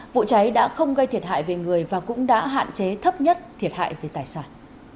vụ cháy đã không gây thiệt hại về người và cũng đã hạn chế thấp nhất thiệt hại về tài sản